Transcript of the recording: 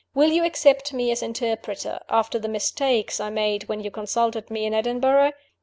Will you accept me as interpreter, after the mistakes I made when you consulted me in Edinburgh?